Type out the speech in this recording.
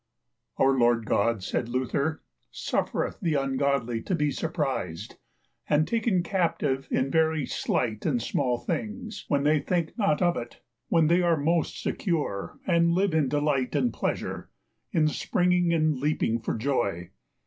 Our Lord God, said Luther, suffereth the ungodly to be surprised and taken captive in very slight and small things, when they think not of it, when they are most secure, and live in delight and pleasure, in springing and leaping for joy.